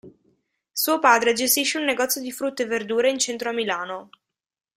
Suo padre gestisce un negozio di frutta e verdura in centro a Milano.